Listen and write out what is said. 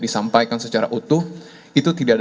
disampaikan secara utuh itu